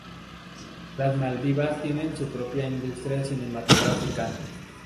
Las Maldivas tienen su propia industria cinematográfica.